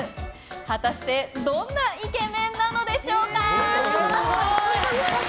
果たしてどんなイケメンなのでしょうか？